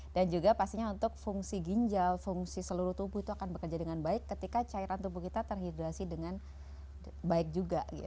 juga pastinya untuk fungsi ginjal fungsi seluruh tubuh itu akan bekerja dengan baik ketika cairan tubuh kita terhidrasi dengan baik juga